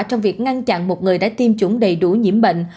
trong việc ngăn chặn một người đã tiêm chủng đầy đủ nhiễm bệnh